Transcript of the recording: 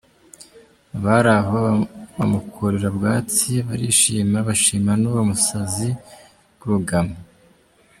Abari aho bamukurira ubwatsi barishima bashima n’uwo musazi Rwugamo.